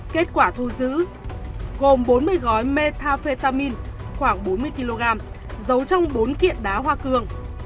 kết quả thu giữ gồm bốn mươi gói metafetamin khoảng bốn mươi kg giấu trong bốn kiện đá hoa cương